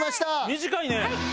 短いね！